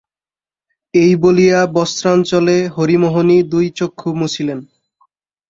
এই বলিয়া বস্ত্রাঞ্চলে হরিমোহিনী দুই চক্ষু মুছিলেন।